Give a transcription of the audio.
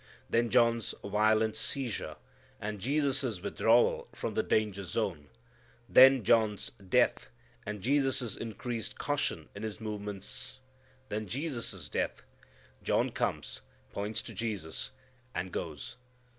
Then John's violent seizure, and Jesus' withdrawal from the danger zone. Then John's death, and Jesus' increased caution in His movements. Then Jesus' death. John comes, points to Jesus, and goes.